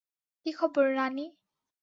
কী খবর, রাণি?